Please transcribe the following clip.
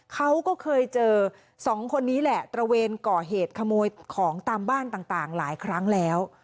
เขาก็เคยเจอสองคนนี้แหละตระเวนก่อเหตุขโมยของตามบ้านต่างหลายครั้งแล้ว